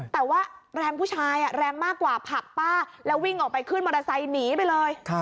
แต่ว่าแรงผู้ชายแรงมากกว่าผลักป้าแล้ววิ่งออกไปขึ้นมอเตอร์ไซค์หนีไปเลย